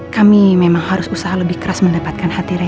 kami memang harus usaha lebih keras mendapatkan hati rakyat